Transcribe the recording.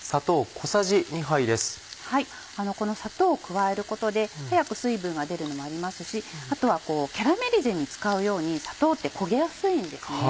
この砂糖を加えることで早く水分が出るのもありますしあとはキャラメリゼに使うように砂糖って焦げやすいんですね。